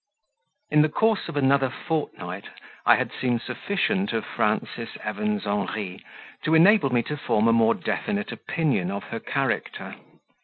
In the course of another fortnight I had seen sufficient of Frances Evans Henri, to enable me to form a more definite opinion of her character.